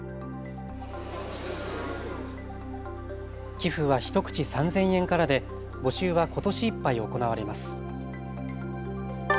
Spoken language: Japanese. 寄付は１口３０００円からで募集はことしいっぱい行われます。